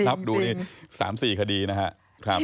รับดูนี่๓๔คดีนะครับ